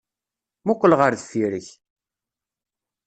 Muqel ɣer deffir-k!